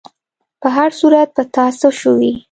په هر صورت، په تا څه شوي؟